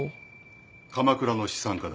鎌倉の資産家だ。